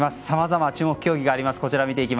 さまざまな注目競技があります。